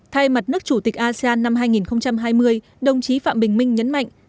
thay mặt nước chủ tịch asean năm hai nghìn hai mươi đồng chí phạm bình minh nhấn mạnh